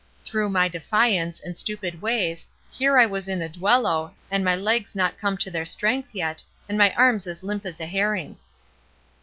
Through my defiance, and stupid ways, here was I in a duello, and my legs not come to their strength yet, and my arms as limp as a herring.